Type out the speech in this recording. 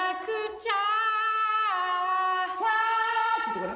ちゃって言ってごらん。